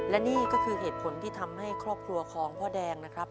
และนี่ก็คือเหตุผลที่ทำให้ครอบครัวของพ่อแดงนะครับ